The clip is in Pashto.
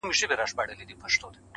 زه دي سوځلی یم او ته دي کرۍ شپه لګېږې-